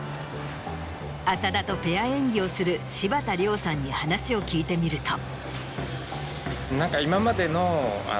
浅田とペア演技をする柴田嶺さんに話を聞いてみると。